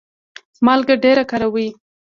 مالګه ډیره کاروئ؟